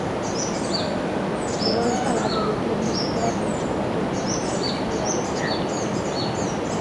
Astero bezala, bideoklip mitiko bat berreskuratu dugu, erabiltzaile batek eskatuta.